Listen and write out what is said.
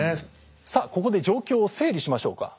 さあここで状況を整理しましょうか。